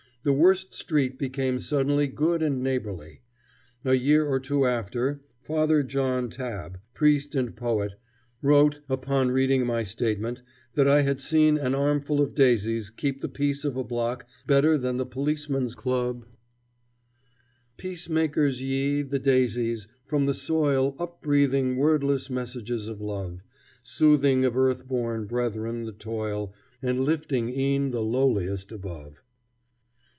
The worst street became suddenly good and neighborly. A year or two after, Father John Tabb, priest and poet, wrote, upon reading my statement that I had seen an armful of daisies keep the peace of a block better than the policeman's club: Peacemakers ye, the daisies, from the soil Upbreathing wordless messages of love, Soothing of earth born brethren the toil And lifting e'en the lowliest above.